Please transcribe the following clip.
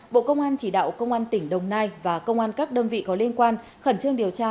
bộ công an chỉ đạo công an tỉnh đồng nai và công an các đơn vị có liên quan khẩn trương điều tra